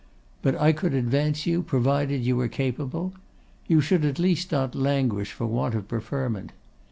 But I could advance you, provided you were capable. You should, at least, not languish for want of preferment.